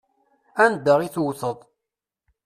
Anda i tewteḍ.